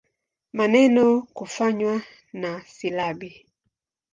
Maneno kufanywa na silabi.